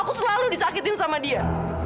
aku selalu disakitin sama dia